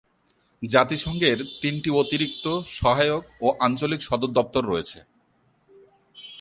জাতিসংঘের তিনটি অতিরিক্ত, সহায়ক ও আঞ্চলিক সদর দপ্তর রয়েছে।